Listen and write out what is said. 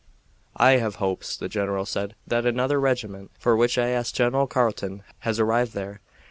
"I have hopes," the general said, "that another regiment, for which I asked General Carleton, has arrived there.